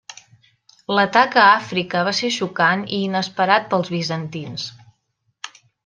L'atac a Àfrica va ser xocant i inesperat pels bizantins.